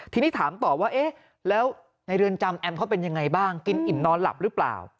ทีนี้ถามต่อว่าเอ๊ะแล้วในเรือนจำแอมเขาเป็นยังไงบ้างกินอิ่มนอนหลับหรือเปล่า